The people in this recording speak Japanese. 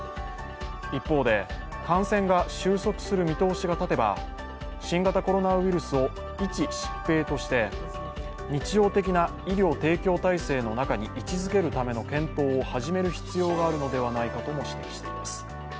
一方で、感染が収束する見通しが立てば新型コロナウイルスを一疾病として日常的な医療提供体制の中に位置づけるための検討を始める必要があるのではないかとも指摘しています。